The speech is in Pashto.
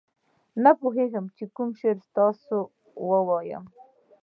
نه پوهېږم چې کوم شعر تاسو ته ووایم.